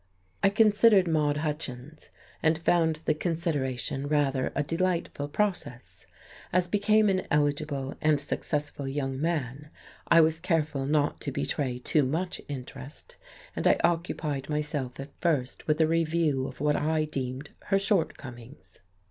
I considered Maude Hutchins, and found the consideration rather a delightful process. As became an eligible and successful young man, I was careful not to betray too much interest; and I occupied myself at first with a review of what I deemed her shortcomings.